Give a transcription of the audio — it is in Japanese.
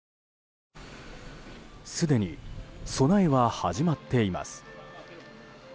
すでに備えは始まっています。